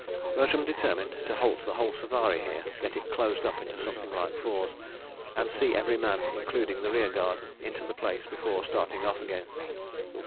Bertram determined to halt the whole safari here, get it "closed up" into something like fours, and see every man, including the rear guard, into the place before starting off again.